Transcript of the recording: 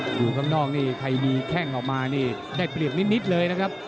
อยู่ข้างนอกนี่ใครมีแข้งออกมานี่ได้เปรียบนิดเลยนะครับ